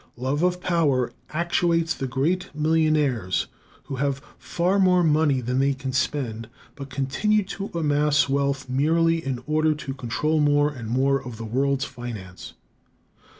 Love of power actuates the great millionaires, who have far more money than they can spend, but continue to amass wealth merely in order to control more and more of the world's finance.